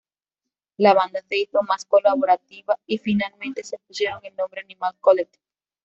La banda se hizo más colaborativa y finalmente se pusieron el nombre "Animal Collective".